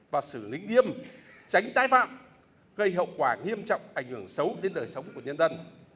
và xử lý nghiêm tránh tái phạm gây hậu quả nghiêm trọng ảnh hưởng xấu đến đời sống của nhân dân